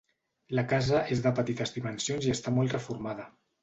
La casa és de petites dimensions i està molt reformada.